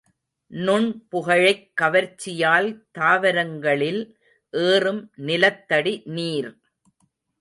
நுண்புழைக் கவர்ச்சியால் தாவரங்களில் ஏறும் நிலத்தடி நீர்.